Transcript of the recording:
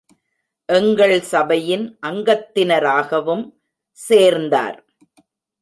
எங்கள் சபையின் அங்கத்தினராகவும் சேர்ந்தார்.